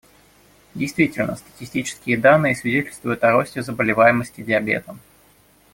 Действительно, статистические данные свидетельствуют о росте заболеваемости диабетом.